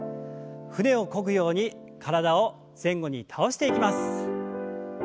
船をこぐように体を前後に倒していきます。